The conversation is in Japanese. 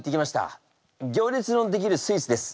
行列の出来るスイーツです。